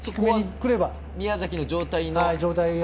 宮崎の状態が。